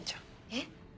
えっ？